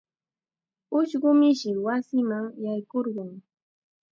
Ushqu mishi wasima yaykurqun.